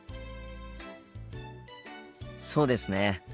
そうですね。